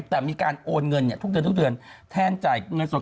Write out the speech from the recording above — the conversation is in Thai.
แต่มีการโอนเงินทุกเดือนแทนจ่ายเงินสด